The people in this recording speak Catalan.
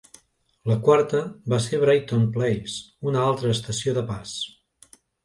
La quarta va ser Brighton Place, una altra estació de pas.